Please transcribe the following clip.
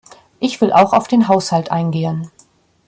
Ich will auch auf den Haushalt eingehen.